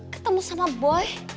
ketemu sama boy